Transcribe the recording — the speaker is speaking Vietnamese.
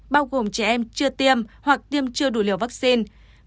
bao gồm trẻ em chưa tiêm hoặc tiêm chưa đủ liều vaccine